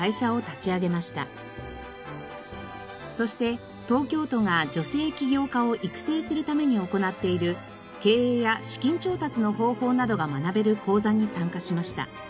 そして東京都が女性起業家を育成するために行っている経営や資金調達の方法などが学べる講座に参加しました。